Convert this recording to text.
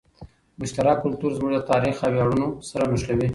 مشترک کلتور زموږ تاریخ او ویاړونه سره نښلوي.